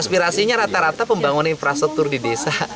aspirasinya rata rata pembangunan infrastruktur di desa